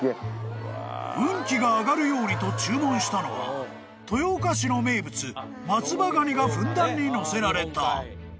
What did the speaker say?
［運気が上がるようにと注文したのは豊岡市の名物松葉ガニがふんだんにのせられた］